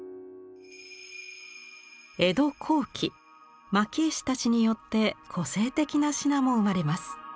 江戸後期蒔絵師たちによって個性的な品も生まれます。